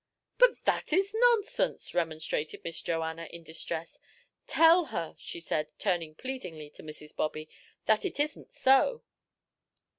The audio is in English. "But that is nonsense," remonstrated Miss Joanna, in distress. "Tell her," she said, turning pleadingly to Mrs. Bobby, "that that isn't so."